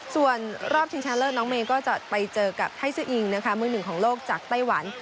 ส่วนรอบชิงชนะเลิศน้องเมย์ก็จะไปเจอกับไฮซืออิงนะคะมือหนึ่งของโลกจากไต้หวัน